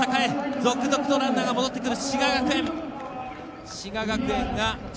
続々とランナーが戻ってくる。